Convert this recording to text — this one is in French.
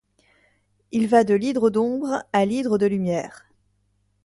Il va de l’hydre d’ombre à l’hydre de lumière !